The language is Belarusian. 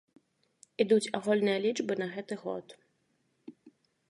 Ідуць агульныя лічбы на гэты год.